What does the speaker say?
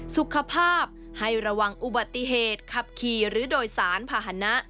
สุขภาพให้ระวังอุบัติเหตุขับขี่หรือโดยสารภาษณะ